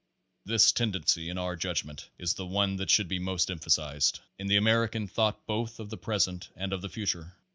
This tendency, in our judgment, is the one that should be most emphasized, in the American thought both of the present and of the future.